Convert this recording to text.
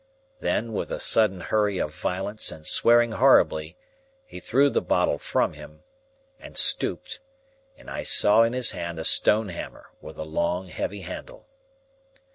Then, with a sudden hurry of violence and swearing horribly, he threw the bottle from him, and stooped; and I saw in his hand a stone hammer with a long heavy handle.